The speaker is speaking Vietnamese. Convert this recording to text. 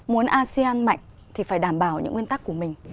muốn asean mạnh thì phải đảm bảo những nguyên tắc của mình